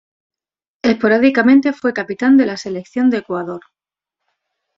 Esporádicamente fue capitán de la Selección de Ecuador.